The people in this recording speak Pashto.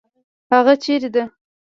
هغه چیرې ده؟